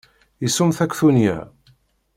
Isum taktunya.